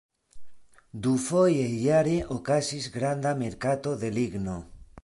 Dufoje jare okazis granda merkato de ligno.